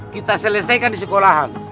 kita selesaikan di sekolahan